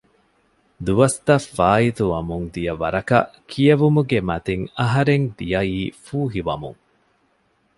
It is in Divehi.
ދުވަސްތަށް ފާއިތުވަމުން ދިޔަ ވަރަކަށް ކިޔެވުމުގެ މަތިން އަހަރެން ދިޔައީ ފޫހިވަމުން